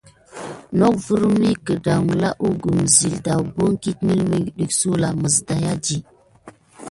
Nok vimi gudala ikume zele dabin mulmuke sula mis daya.